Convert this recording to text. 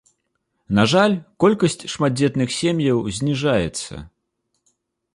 На жаль, колькасць шматдзетных сем'яў зніжаецца.